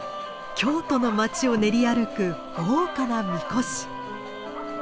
京都の町を練り歩く豪華な神輿。